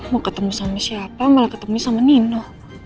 mau ketemu sama siapa malah ketemu sama nino